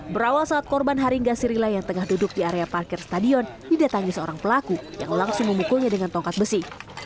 berawal saat korban haringga sirila yang tengah duduk di area parkir stadion didatangi seorang pelaku yang langsung memukulnya dengan tongkat besi